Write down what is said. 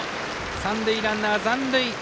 三塁ランナー、残塁。